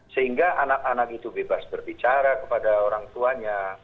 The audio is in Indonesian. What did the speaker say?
sehingga anak anak itu bebas berbicara kepada orang tuanya